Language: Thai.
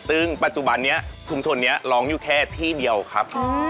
ซึ่งปัจจุบันนี้ชุมชนนี้ร้องอยู่แค่ที่เดียวครับ